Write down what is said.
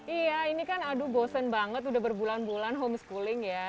iya ini kan aduh bosen banget udah berbulan bulan homeschooling ya